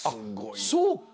そうか！